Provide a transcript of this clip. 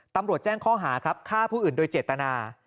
ตำรวจแจ้งข้อหาครับฆ่าผู้อื่นโดยเจตนา